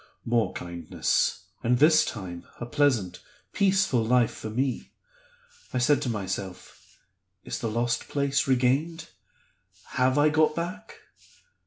More kindness; and, this time, a pleasant, peaceful life for me. I said to myself, 'Is the lost place regained? Have I got back?